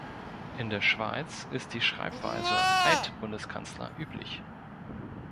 In der Schweiz ist die Schreibweise alt Bundeskanzler üblich.